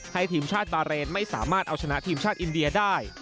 ทีมชาติบาเรนไม่สามารถเอาชนะทีมชาติอินเดียได้